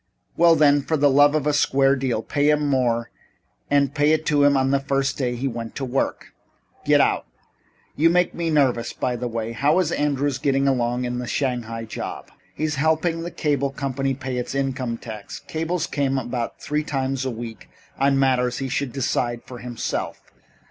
"Well then, for the love of a square deal, pay him more and pay it to him from the first day he went to work. Get out. You make me nervous. By the way, how is Andrews getting along in his Shanghai job?" "He's helping the cable company pay its income tax. Cables about three times a week on matters he should decide for himself.